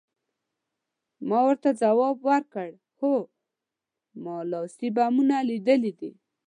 ما ورته ځواب ورکړ، هو، ما لاسي بمونه لیدلي دي.